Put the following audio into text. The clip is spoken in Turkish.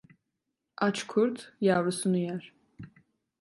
Aç kurt yavrusunu yer.